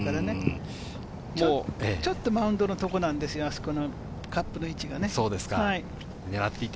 ちょっとマウンドのところなんですよ、カップの位置がね。